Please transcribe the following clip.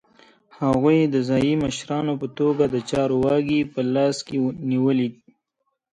هغوی د ځايي مشرانو په توګه د چارو واګې په لاس کې نیولې.